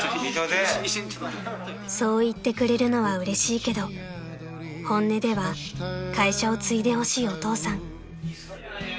［そう言ってくれるのはうれしいけど本音では会社を継いでほしいお父さん］